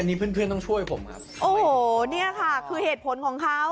อันนี้เพื่อนเพื่อนต้องช่วยผมครับโอ้โหเนี่ยค่ะคือเหตุผลของเขา